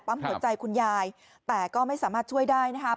หัวใจคุณยายแต่ก็ไม่สามารถช่วยได้นะคะ